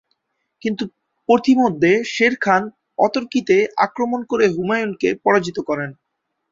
কিন্তু পথিমধ্যে শেরখান অতর্কিতে আক্রমণ করে হুমায়ুনকে পরাজিত করেন।